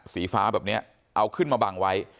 สีฟ้าแบบนี้เอาขึ้นมาบังไว้